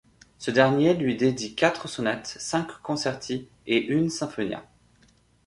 Ce dernier lui dédie quatre sonates, cinq concerti et une sinfonia.